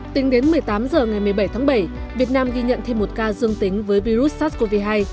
tính đến một mươi tám h ngày một mươi bảy tháng bảy việt nam ghi nhận thêm một ca dương tính với virus sars cov hai